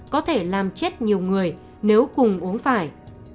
có thể làm chết nhiều người nếu cùng uống phải